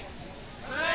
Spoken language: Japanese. はい！